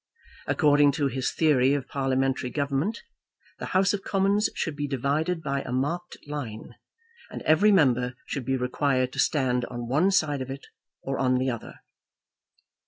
According to his theory of parliamentary government, the House of Commons should be divided by a marked line, and every member should be required to stand on one side of it or on the other.